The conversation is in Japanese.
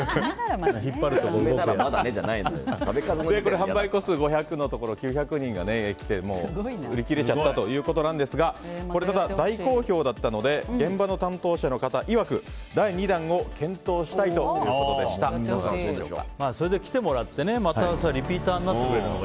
販売個数５００のところ９００人が来て売り切れちゃったということなんですが大好評だったので現場の担当者の方いわく第２弾をそれで来てもらってまたリピーターになってくれたら。